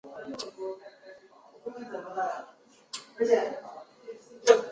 旅游业对巴伊亚的经济发展越来越重要。